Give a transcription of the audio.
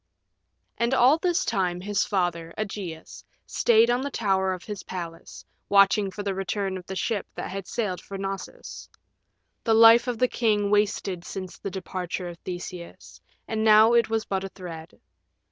And all this time his father, Ægeus, stayed on the tower of his palace, watching for the return of the ship that had sailed for Knossos. The life of the king wasted since the departure of Theseus, and now it was but a thread.